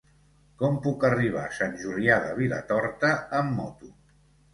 Com puc arribar a Sant Julià de Vilatorta amb moto?